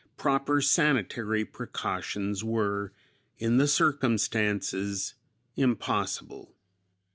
"Proper sanitary precautions were, in the circumstances, impossible.